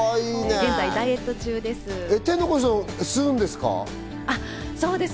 現在ダイエット中です。